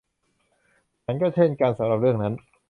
ฉันก็เช่นกันสำหรับเรื่องนั้น